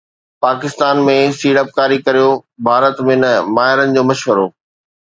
پاڪستان ۾ سيڙپڪاري ڪريو، ڀارت ۾ نه، ماهرن جو مشورو